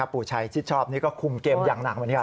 ปู่ชัยชิดชอบนี่ก็คุมเกมอย่างหนักวันนี้